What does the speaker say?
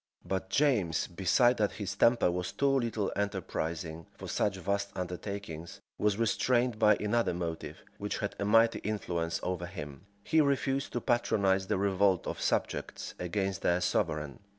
But James, besides that his temper was too little enterprising for such vast undertakings, was restrained by another motive, which had a mighty influence over him: he refused to patronize the revolt of subjects against their sovereign.